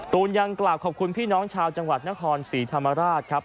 ตูนยังกล่าวขอบคุณพี่น้องชาวจังหวัดนครศรีธรรมราชครับ